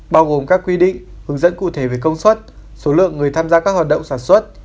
bao gồm các quy định hướng dẫn cụ thể về công suất số lượng người tham gia các hoạt động sản xuất